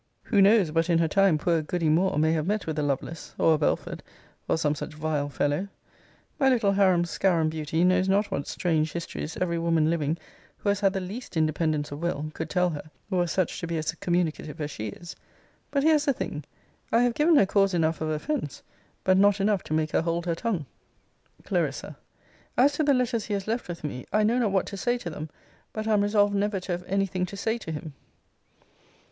Who knows but in her time poor goody Moore may have met with a Lovelace, or a Belford, or some such vile fellow? My little harum scarum beauty knows not what strange histories every woman living, who has had the least independence of will, could tell her, were such to be as communicative as she is. But here's the thing I have given her cause enough of offence; but not enough to make her hold her tongue. Cl. As to the letters he has left with me, I know not what to say to them: but am resolved never to have any thing to say to him.